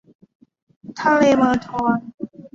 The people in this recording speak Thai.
ทะเลเมอร์ทอน